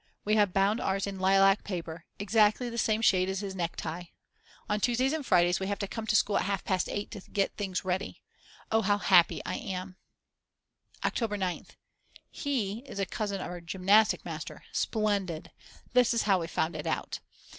We have bound ours in lilac paper, exactly the same shade as his necktie. On Tuesdays and Fridays we have to come to school at half past 8 to get things ready. Oh how happy I am. October 9th. He is a cousin of our gymnastic master, splendid! This is how we found it out.